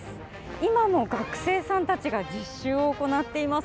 今も学生さんたちが実習を行っています。